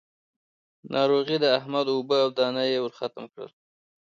ناروغي د احمد اوبه او دانه يې ورختم کړل.